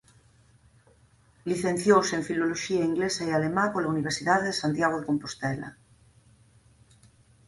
Licenciouse en Filoloxía inglesa e alemá pola Universidade de Santiago de Compostela.